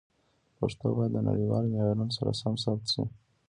پښتو باید د نړیوالو معیارونو سره سم ثبت شي.